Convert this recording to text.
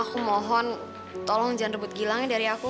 aku mohon tolong jangan rupanya dari aku